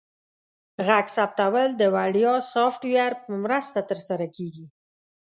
غږ ثبتول د وړیا سافټویر په مرسته ترسره کیږي.